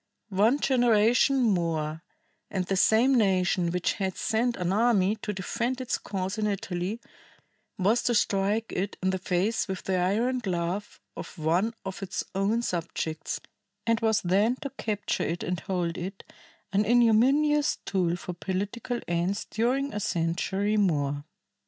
"One generation more and the same nation which had sent an army to defend its cause in Italy was to strike it in the face with the iron glove of one of its own subjects, and was then to capture it and hold it, an ignominious tool for political ends during a century more."